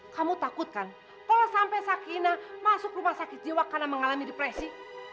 kamu takutkan kalau sampai sakina masuk rumah sakit jiwa karena mengalami depresi